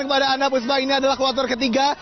kepada anda puspa ini adalah kloter ketiga